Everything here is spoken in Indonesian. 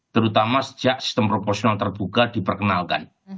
terutama sejak sistem proporsional terbuka diperkenalkan